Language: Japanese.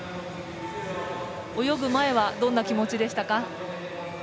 泳ぐ前はどんな気持ちでしたか。